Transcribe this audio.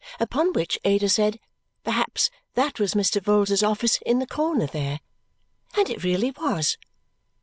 Upon which Ada said, perhaps that was Mr. Vholes's office in the corner there. And it really was.